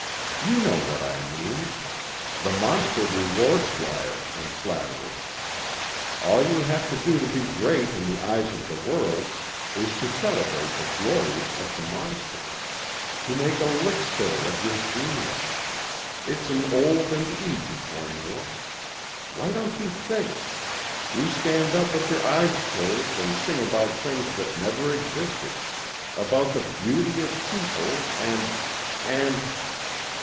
You know what I mean. The monster rewards liars and flatterers. All you have to do to be great in the eyes of the world is to celebrate the glories of the monster. To make a lickspittle of your genius. It's an old and easy formula. Why don't you think? You stand up with your eyes closed and sing about things that never existed about the beauty of people and ... and...."